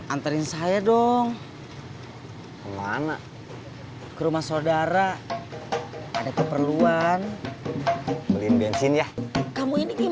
antarin saya dong kemana ke rumah saudara ada keperluan beliin bensin ya kamu ini gimana